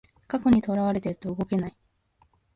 過去にとらわれてると動けない